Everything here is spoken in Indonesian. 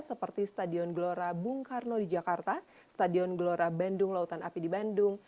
seperti stadion gelora bung karno di jakarta stadion gelora bandung lautan api di bandung